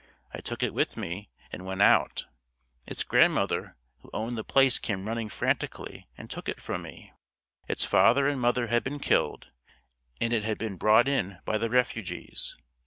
I took it with me and went out. Its grandmother who owned the place came running frantically and took it from me. Its father and mother had been killed and it had been brought in by the refugees.